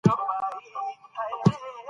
د يو روڼ، پرمختللي او هيله من